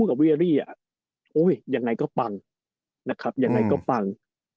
โอ้ยยังไงก็ปังนะครับยังไงก็ปัง